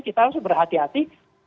kita harus berhati hati